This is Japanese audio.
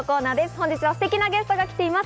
本日はステキなゲストが来ています。